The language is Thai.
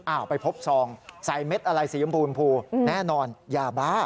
ไปพบซองใส่เม็ดอะไรสีชมพูแน่นอนยาบ้า